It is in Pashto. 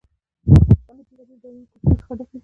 افغانستان له بېلابېلو ډولونو کوچیانو څخه ډک دی.